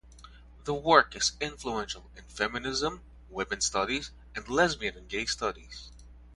The work is influential in feminism, women's studies, and lesbian and gay studies.